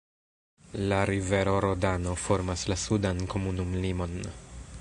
La rivero Rodano formas la sudan komunumlimon.